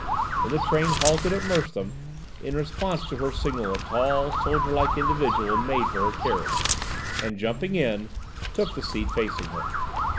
When the train halted at Merstham, in response to her signal a tall, soldier like individual made for her carriage, and, jumping in, took the seat facing her.